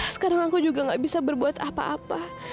sekarang aku juga gak bisa berbuat apa apa